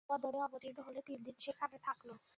বদরে অবতীর্ণ হলে তিনদিন সেখানে থাকল।